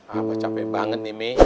apa capek banget nih mi